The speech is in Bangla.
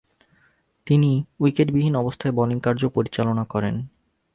তিনি উইকেটবিহীন অবস্থায় বোলিং কার্য পরিচালনা করেন।